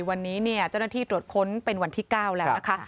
วันนี้เจ้าหน้าที่ตรวจค้นเป็นวันที่๙แล้วนะคะ